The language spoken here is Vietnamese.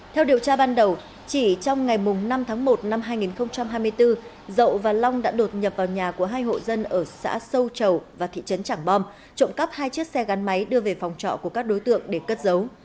theo điều tra ban đầu chỉ trong ngày năm tháng một năm hai nghìn hai mươi bốn dậu và long đã đột nhập vào nhà của hai hộ dân ở xã sâu chầu và thị trấn tràng bom trộm cắp hai chiếc xe gắn máy đưa về phòng trọ của các đối tượng để cất dấu